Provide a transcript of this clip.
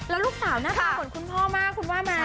แล้วลูกสาวหน้าตาเหมือนคุณพ่อมากคุณว่าไหม